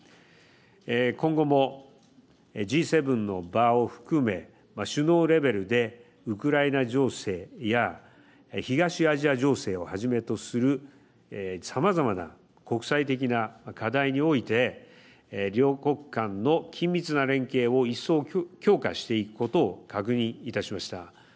今後もＧ７の場を含め首脳レベルでウクライナ情勢や東アジア情勢をはじめとするさまざまな国際的な課題において両国間の緊密な連携を一層強化していくことを確認いたしました。